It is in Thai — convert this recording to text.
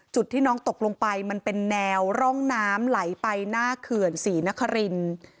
จุดที่น้องตกลงไปมันเป็นแนวร่องน้ำไหลไปหน้าเขื่อนศรีนครินทร์